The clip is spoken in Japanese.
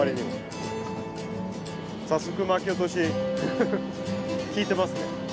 早速巻き落とし効いてますね。